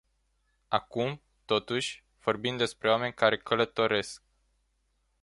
Acum, totuși, vorbim despre oameni care călătoresc.